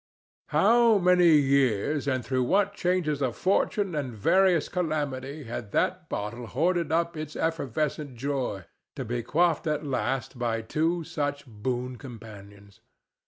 How many years, and through what changes of fortune and various calamity, had that bottle hoarded up its effervescent joy, to be quaffed at last by two such boon companions!